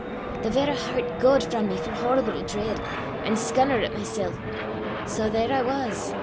The verra hert gaed frae me for hoarible dreid, an' scunner at mysel'! Sae there I was!